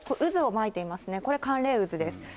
渦を巻いていますね、これ、寒冷渦です。